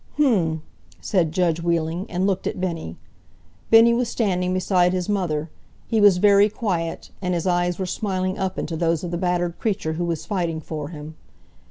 "H'm!" said judge Wheeling, and looked at Bennie. Bennie was standing beside his mother. He was very quiet, and his eyes were smiling up into those of the battered creature who was fighting for him.